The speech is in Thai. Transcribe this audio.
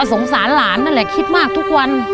สงสารหลานนั่นแหละคิดมากทุกวัน